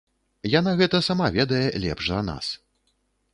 Яна гэта сама ведае лепш за нас.